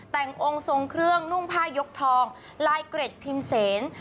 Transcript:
แต่งองค์ทรงเครื่องนุ่งผ้ายกทองลายเกร็ดพิมพ์เสน